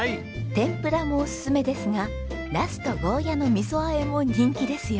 天ぷらもオススメですがナスとゴーヤのみそあえも人気ですよ。